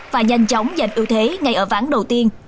và nhanh chóng giành ưu thế ngay ở ván đầu tiên